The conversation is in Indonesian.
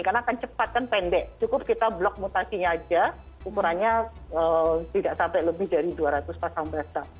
karena akan cepat kan pendek cukup kita blok mutasinya aja ukurannya tidak sampai lebih dari dua ratus pasang basah